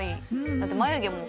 だって眉毛も。